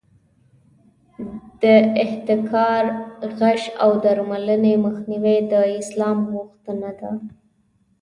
د احتکار، غش او درغلۍ مخنیوی د اسلام غوښتنه ده.